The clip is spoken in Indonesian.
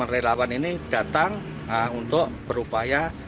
relawan ini datang untuk berupaya